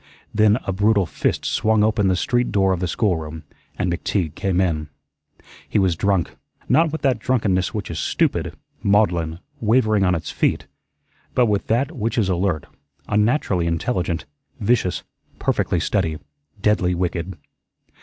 Then a brutal fist swung open the street door of the schoolroom and McTeague came in. He was drunk; not with that drunkenness which is stupid, maudlin, wavering on its feet, but with that which is alert, unnaturally intelligent, vicious, perfectly steady, deadly wicked.